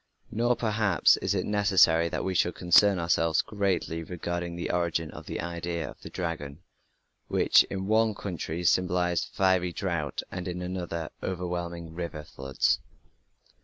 Nor, perhaps, is it necessary that we should concern ourselves greatly regarding the origin of the idea of the dragon, which in one country symbolized fiery drought and in another overwhelming river floods.